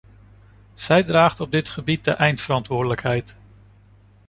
Zij draagt op dit gebied de eindverantwoordelijkheid.